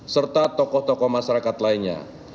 serta tokoh tokoh masyarakat lainnya